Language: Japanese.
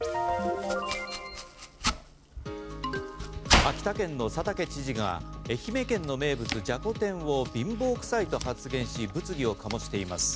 秋田県の佐竹知事が愛媛県の名物、じゃこ天を貧乏くさいと発言し物議を醸しています。